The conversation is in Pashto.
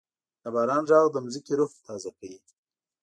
د باران ږغ د ځمکې روح تازه کوي.